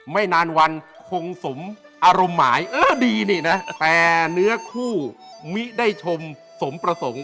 ไม่นานวันคงสมอารมณ์หมายเออดีนี่นะแต่เนื้อคู่มิได้ชมสมประสงค์